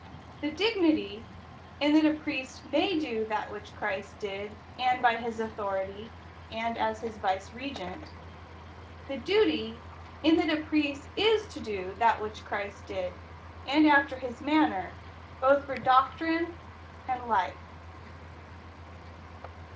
The 8 THE COUNTRY PARSON. dignity, in that a priest may do that which Christ did, and by his authority, and as his vicegerent. The duty, in that a priest is to do that which Christ did, and after his manner, both for doctrine and hfe.